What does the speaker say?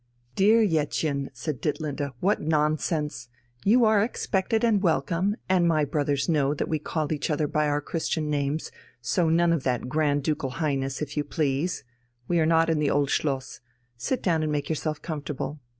"Dear Jettchen," said Ditlinde, "what nonsense! You are expected and welcome, and my brothers know that we call each other by our Christian names, so none of that Grand Ducal Highness, if you please. We are not in the Old Schloss. Sit down and make yourself comfortable.